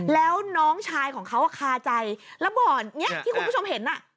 แล้วน้องชายของเขาคาใจแล้วบ่อนเนี่ยที่คุณผู้ชมเห็น